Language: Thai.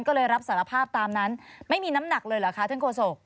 ก็เลยรับสารภาพตามนั้นไม่มีน้ำหนักเลยเหรอคะท่านโฆษก